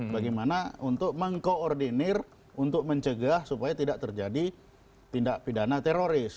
bagaimana untuk mengkoordinir untuk mencegah supaya tidak terjadi tindak pidana teroris